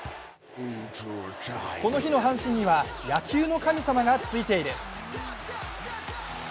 この日の阪神には野球の神様がついている。